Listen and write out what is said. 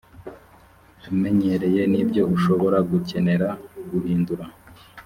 umenyereye n ibyo ushobora gukenera guhindura